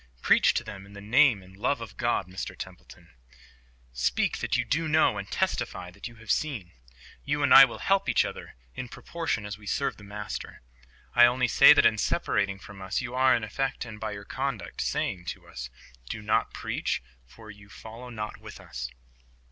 Preach to them in the name and love of God, Mr Templeton. Speak that you do know and testify that you have seen. You and I will help each other, in proportion as we serve the Master. I only say that in separating from us you are in effect, and by your conduct, saying to us, "Do not preach, for you follow not with us."